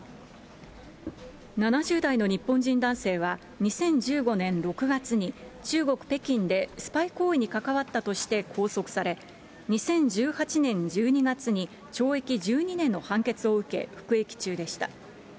７０代の日本人男性は、２０１５年６月に、中国・北京でスパイ行為に関わったとして拘束され、２０１８年１２月に懲役１２年の判決を受け、服役中でした。